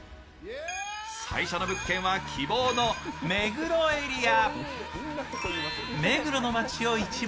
最初の物件は希望の目黒エリア。